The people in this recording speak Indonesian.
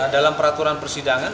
dalam peraturan persidangan